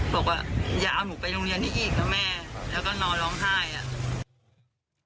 บอกว่าอย่าเอาหนูไปโรงเรียนนี้อีกนะแม่แล้วก็นอนร้องไห้อ่ะ